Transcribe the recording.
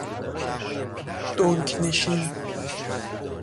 دنک نشین